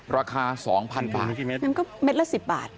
ราคาสองพันบาทนั่นก็เมตรละสิบบาท